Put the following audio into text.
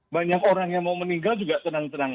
banyak orang yang mau meninggal juga tenang tenang